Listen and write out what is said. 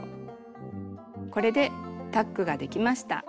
これでタックができました。